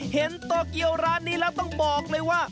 โตเกียวร้านนี้แล้วต้องบอกเลยว่า